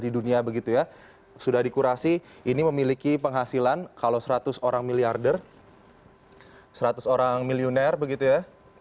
di dunia begitu ya sudah dikurasi ini memiliki penghasilan kalau seratus orang miliarder seratus orang milioner begitu ya